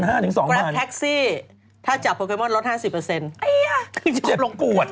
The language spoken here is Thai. กรับแท็กซี่ถ้าจับโปเคมอนต์ลด๕๐